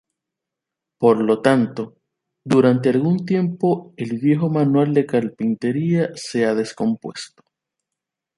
Por lo tanto, durante algún tiempo el viejo manual de carpintería se ha descompuesto.